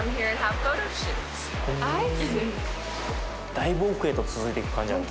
だいぶ奥へと続いていく感じあるね。